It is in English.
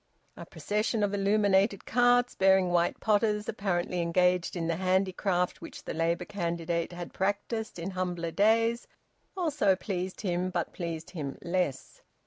A procession of illuminated carts, bearing white potters apparently engaged in the handicraft which the Labour candidate had practised in humbler days, also pleased him, but pleased him less.